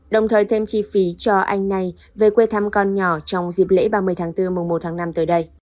đồng thời thêm chi phí cho anh này về quê thăm con nhỏ trong dịp lễ ba mươi tháng bốn mùa một tháng năm tới đây